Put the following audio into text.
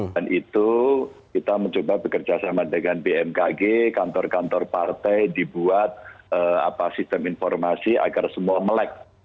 dan itu kita mencoba bekerja sama dengan bmkg kantor kantor partai dibuat apa sistem informasi agar semua melek